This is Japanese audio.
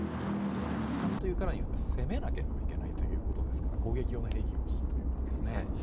奪還というからには攻めなければいけないということですから攻撃用の兵器が欲しいということですね。